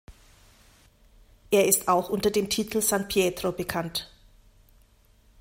Er ist auch unter dem Titel "San Pietro" bekannt.